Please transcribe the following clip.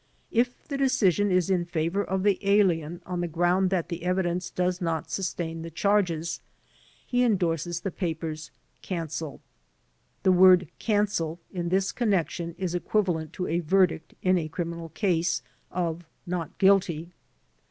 If the decision is in favor of the alien on the ground that the evidence does not sustain the charges, he endorses the papers "Cancel." The word "Cancel" in this con nection is equivalent to a verdict in a criminal case, of "Not guilty."